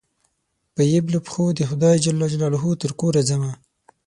په يبلو پښو دخدای ج ترکوره ځمه